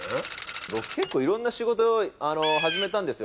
僕結構いろんな仕事始めたんですよ。